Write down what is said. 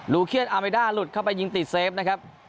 ูเคียนอาเมด้าหลุดเข้าไปยิงติดเซฟนะครับ